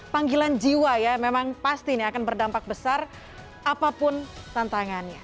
panggilan jiwa ya memang pasti ini akan berdampak besar apapun tantangannya